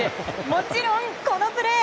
もちろん、このプレー。